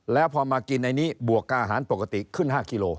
แล้วพอมากินในนี้บวกกับอาหารปกติขึ้น๕กิโล